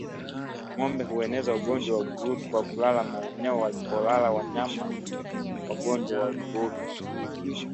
Ngombe hueneza ugonjwa wa ukurutu kwa kulala maeneo walipolala wanyama wagonjwa wa ukurutu